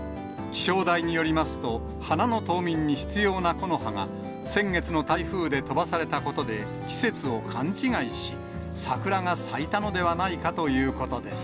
気象台によりますと、花の冬眠に必要な木の葉が、先月の台風で飛ばされたことで、季節を勘違いし、桜が咲いたのではないかということです。